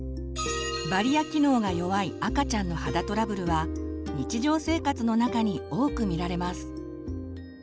バリア機能が弱い赤ちゃんの肌トラブルは日常生活の中に多く見られます。